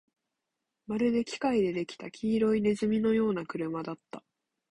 まるで機械で出来た黄色い鼠のような車だった